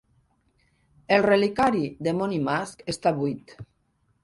El reliquiari de Monymusk està buit.